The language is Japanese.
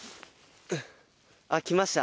あっきました。